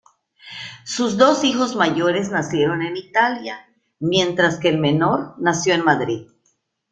Sus dos hijos mayores nacieron en Italia, mientras que el menor nació en Madrid.